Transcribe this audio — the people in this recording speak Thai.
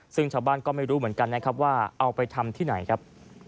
ซึ่งชาวบ้านก็ไม่รู้เหมือนกันนะครับว่าเอาไปทำที่ไหนครับ